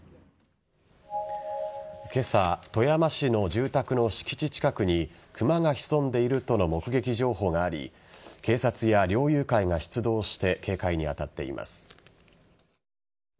今朝富山市の住宅の敷地近くにクマが潜んでいるとの目撃情報があり警察や猟友会が出動して警戒に当たっています。